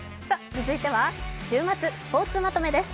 続いては週末スポーツまとめです。